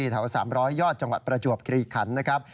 ที่แถว๓๐๐ยอดจังหวัดประจวบคลีกคันนะครับ